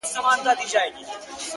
• د ژوندون ساز كي ائينه جوړه كړي ـ